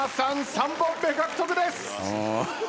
３本目獲得です。